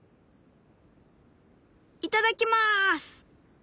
いただきます！